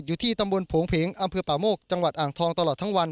อยู่ที่ตำบลโผงเพงอำเภอป่าโมกจังหวัดอ่างทองตลอดทั้งวัน